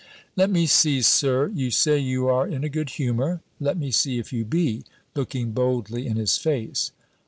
"Let me see, Sir, you say you are in a good humour! Let me see if you be;" looking boldly in his face.